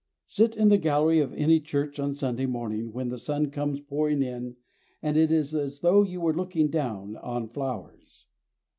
Sit in the gallery of any church on Sunday morning when the sun comes pouring in and it is as though you were looking down on flowers.